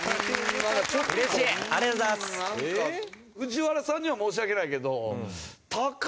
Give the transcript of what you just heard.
なんか藤原さんには申し訳ないけど。